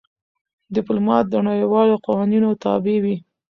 ډيپلومات د نړیوالو قوانینو تابع وي.